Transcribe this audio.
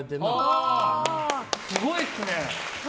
すごいっすね。